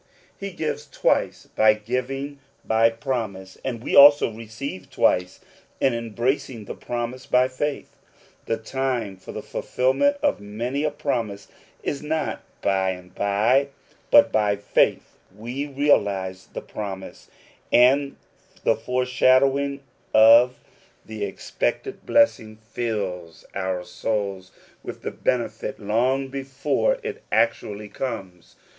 He gives twice by giving by 54 According to the Promise. promise ; and we also receive twice in embracing the promise by faith. The time for the fulfilment of many a promise is not by and by ; but by faith we realize the promise, and the foreshadow ing of the expected blessing fills our souls with the benefit long before it actually comes.